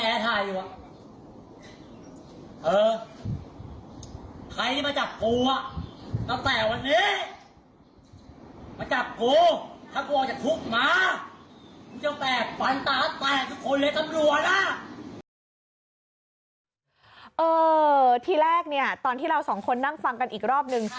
ทีแรกเนี่ยตอนที่เราสองคนนั่งฟังกันอีกรอบนึง